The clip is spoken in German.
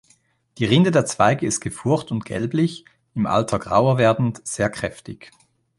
Die Rinde der Zweige ist gefurcht und gelblich, im Alter grauer werdend, sehr kräftig.